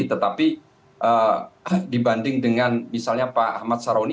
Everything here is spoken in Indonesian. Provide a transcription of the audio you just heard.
tetapi dibanding dengan misalnya pak ahmad saroni